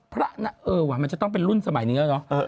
พระนางเออว่ะมันจะต้องเป็นรุ่นสมัยหนึ่งแล้ว